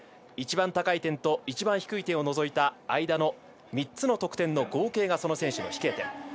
一番高い点と一番低い点を除いた間の３つの得点の合計がその選手の飛型点。